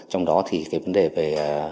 trong đó thì cái vấn đề về